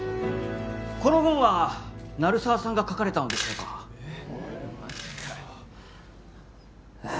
この本は鳴沢さんが書かれたのでしょうか・えっ？